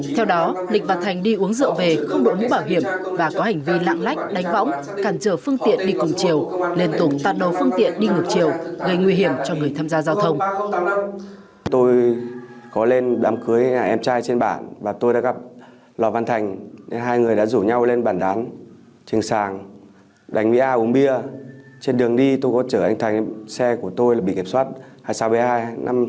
theo đó lịch và thành đi uống rượu về không đổ mũ bảo hiểm và có hành vi lãng lách đánh võng cản trở phương tiện đi cùng chiều lên tủng tạt đấu phương tiện đi ngược chiều gây nguy hiểm cho người tham gia giao thông